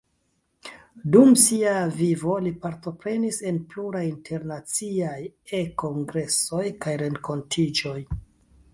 Dum sia vivo li partoprenis en pluraj internaciaj e-kongresoj kaj renkontiĝoj.